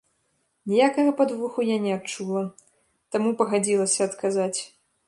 Ніякага падвоху я не адчула, таму пагадзілася адказаць.